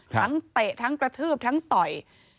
เตะทั้งกระทืบทั้งต่อย